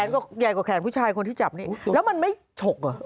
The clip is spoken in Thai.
ใหญ่กว่าแขนผู้ชายคนที่จับนี่แล้วมันไม่ฉกเหรอ